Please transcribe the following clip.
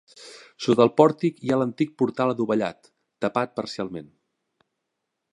Sota els pòrtics hi ha l'antic portal adovellat, tapat parcialment.